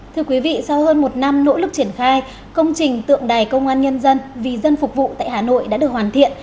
thưa quý vị sau hơn một năm nỗ lực triển khai công trình tượng đài công an nhân dân vì dân phục vụ tại hà nội đã được hoàn thiện